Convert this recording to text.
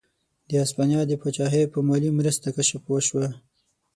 د هسپانیا د پاچاهۍ په مالي مرسته کشف وشوه.